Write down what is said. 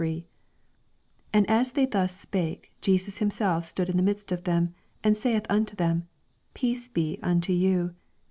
86 And as they thus spuke, Jesus himself stood in the midst of them, aod saith uno them, Peace be unto you.